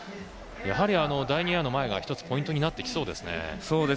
やはり、第２エアの前がポイントになってきそうですね。